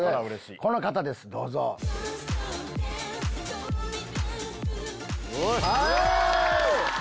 この方ですどうぞ。イェイ！